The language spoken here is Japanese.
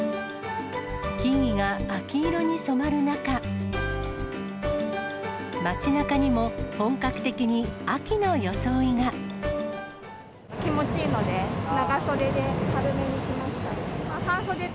木々が秋色に染まる中、気持ちいいので、長袖で軽めに来ました。